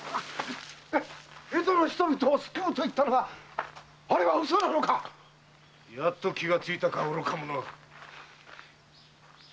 江戸の人々を救うと言ったのは嘘なのか⁉やっと気がついたか愚か者。